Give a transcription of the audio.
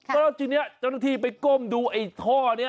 แล้วทีนี้เจ้าหน้าที่ไปก้มดูไอ้ท่อนี้